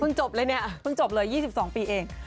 จบเลยเนี่ยเพิ่งจบเลย๒๒ปีเอง